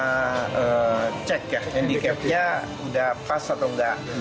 kita cek ya handicapnya udah pas atau enggak